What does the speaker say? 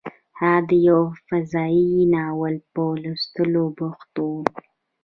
هغه د یو فضايي ناول په لوستلو بوخت و